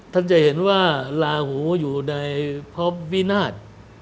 ท่านจะเห็นว่าลาหูอยู่ในพระวินาศ